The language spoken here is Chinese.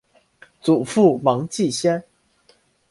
祖父王继先。